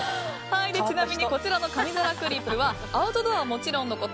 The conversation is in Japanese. ちなみにこちらの紙皿クリップはアウトドアはもちろんのこと